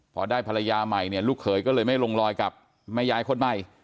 พอได้ภรรยาใหม่เนี่ยลูกเขยก็เลยไม่ลงลอยกับแม่ยายคนใหม่